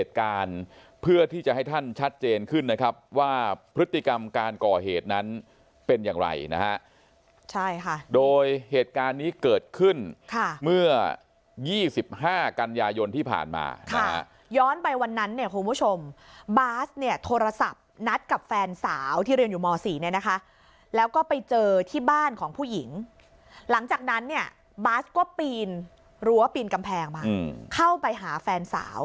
เหตุการณ์เพื่อที่จะให้ท่านชัดเจนขึ้นนะครับว่าพฤติกรรมการก่อเหตุนั้นเป็นอย่างไรนะฮะใช่ค่ะโดยเหตุการณ์นี้เกิดขึ้นค่ะเมื่อ๒๕กันยายนที่ผ่านมานะฮะย้อนไปวันนั้นเนี่ยคุณผู้ชมบาสเนี่ยโทรศัพท์นัดกับแฟนสาวที่เรียนอยู่ม๔เนี่ยนะคะแล้วก็ไปเจอที่บ้านของผู้หญิงหลังจากนั้นเนี่ยบาสก็ปีนรั้วปีนกำแพงมาเข้าไปหาแฟนสาว